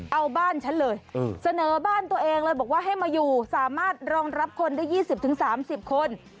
เอาบ้านฉันเลยเสนอบ้านตัวเองเลยบอกว่าให้มาอยู่สามารถรองรับคนได้๒๐๓๐คน